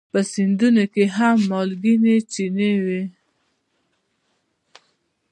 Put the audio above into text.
په سیندونو کې هم مالګینې چینې وي.